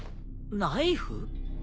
ナイフ？